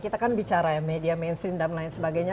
kita kan bicara ya media mainstream dan lain sebagainya